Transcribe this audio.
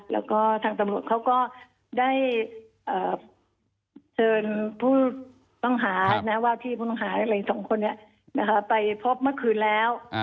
แล้วก็ทางตำรวจเขาก็ได้เชิญผู้ต้องหาว่าที่ผู้ต้องหาอะไรสองคนนี้ไปพบเมื่อคืนแล้ว